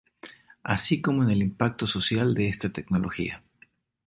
Así como en el impacto social de esta tecnología.